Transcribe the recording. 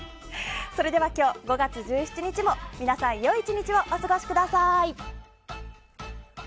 それでは今日、５月１７日も良い１日をお過ごしください。